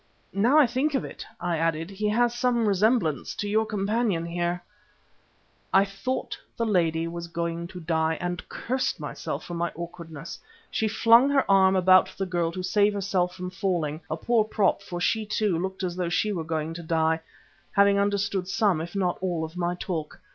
Now I think of it," I added, "he has some resemblance to your companion there." I thought that the lady was going to die, and cursed myself for my awkwardness. She flung her arm about the girl to save herself from falling a poor prop, for she, too, looked as though she were going to die, having understood some, if not all, of my talk.